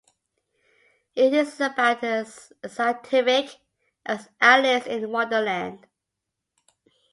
It is about as scientific as Alice in Wonderland.